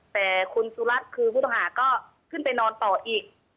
แต่คุณสุรัตน์คือผู้ต้องหาก็ขึ้นไปนอนต่ออีก